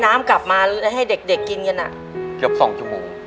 ในแคมเปญพิเศษเกมต่อชีวิตโรงเรียนของหนู